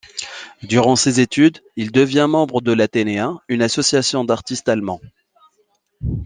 Durant ses études, il devient membre de l'Atheneia, une association d'artistes allemands.